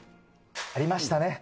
ありましたね。